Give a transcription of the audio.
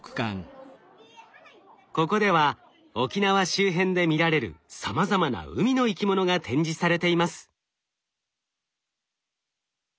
ここでは沖縄周辺で見られるさまざまな海の生き物が展示されています。